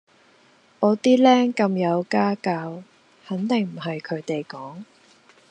我啲靚咁有家教，肯定唔係佢哋講